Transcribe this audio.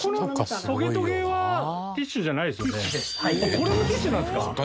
これもティッシュなんですか？